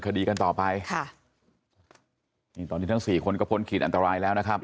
คดีกันต่อไปค่ะนี่ตอนนี้ทั้งสี่คนก็พ้นขีดอันตรายแล้วนะครับ